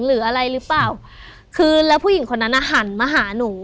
หรืออะไรหรือเปล่าคือแล้วผู้หญิงคนนั้นอ่ะหันมาหาหนู